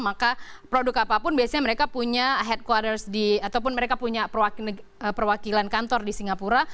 maka produk apapun biasanya mereka punya perwakilan kantor di singapura